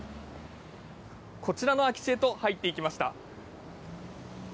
こちらの空き地へと入っていきました。